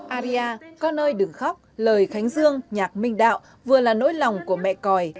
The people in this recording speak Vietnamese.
aria con ơi đừng khóc lời khánh dương nhạc minh đạo vừa là nỗi lòng của mẹ còi